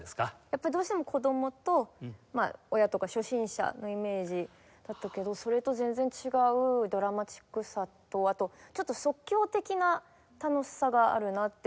やっぱりどうしても子供と親とか初心者のイメージだったけどそれと全然違うドラマチックさとあとちょっと即興的な楽しさがあるなって。